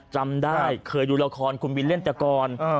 จำได้เคยดูละครคุณวินเล่นแต่ก่อน